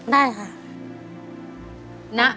ได้ค่ะ